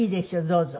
どうぞ。